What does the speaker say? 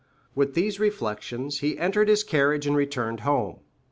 With these reflections he entered his carriage and returned home.